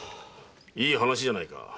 いい話じゃないか。